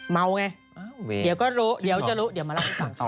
เมาไงเดี๋ยวก็รู้เดี๋ยวจะรู้